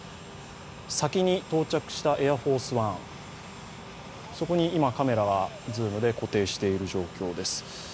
先に到着したエアフォースワン、そこに今、カメラがズームで固定している状況です。